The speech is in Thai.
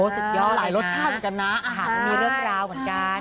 สุดยอดหลายรสชาติเหมือนกันนะอาหารมันมีเรื่องราวเหมือนกัน